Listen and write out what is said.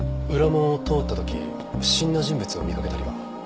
裏門を通った時不審な人物を見かけたりは？